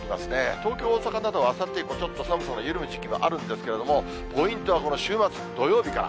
東京、大阪など、あさって以降、ちょっと寒さの緩む時期はあるんですけれども、ポイントはこの週末、土曜日から。